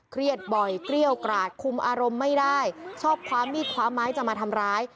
เครียดบ่อยเกรี้ยวกราดคุมอารมณ์ไม่ได้ชอบคว้ามีดคว้าไม้จะมาทำร้าย